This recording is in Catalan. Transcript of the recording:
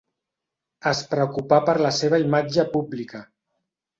Es preocupà per la seva imatge pública.